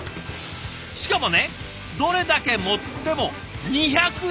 しかもねどれだけ盛っても２００円！